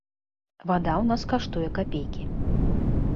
Вада ў нас каштуе капейкі.